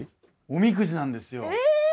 おみくじなんですよえ！